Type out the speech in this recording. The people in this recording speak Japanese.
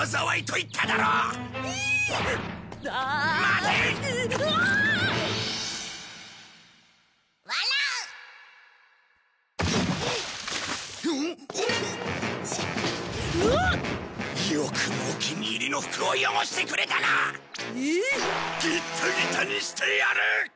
ギッタギタにしてやる！